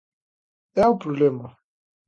É o problema.